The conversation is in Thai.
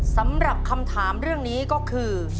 สำหรับคำถามเรื่องนี้ก็คือ